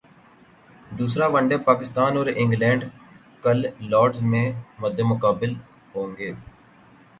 دوسرا one day Pakistan اور England کل لارڈز میں مدمقابل ہونگے